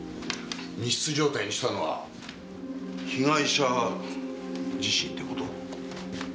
密室状態にしたのは被害者自身ってこと？